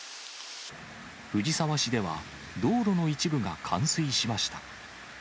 藤沢市では、道路の一部が冠水しました。